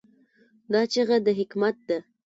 دا چیغه د حکمت ده.